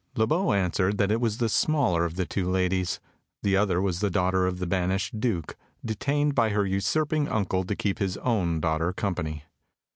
Le Beau answered that it was the smaller of the two ladies. The other was the daughter of the banished Duke, detained by her usurping uncle to keep his own daughter company.